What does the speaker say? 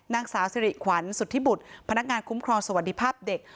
นางสาวสิริขวัญสุธิบุตรพนักงานคุ้มครองสวัสดิภาพเด็ก